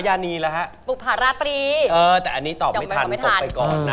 เชิญ